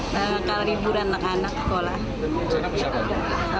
kariburan anak anak sekolah